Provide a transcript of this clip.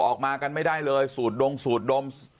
ออกมากันไม่ได้เลยสูดดงสูดดม